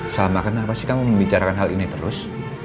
selama kenapa sih kamu membicarakan hal ini terus